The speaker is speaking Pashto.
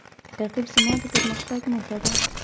رقیب زما د پرمختګ نښه ده